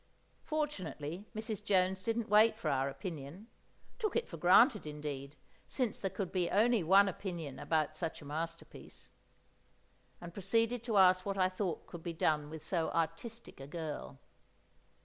Fortunately, Mrs. Jones didn't wait for our opinion—took it for granted, indeed, since there could only be one opinion about such a masterpiece—and proceeded to ask what I thought could be done with so artistic a girl.